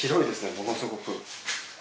ものすごく。